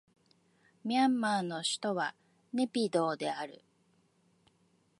ミャンマーの首都はネピドーである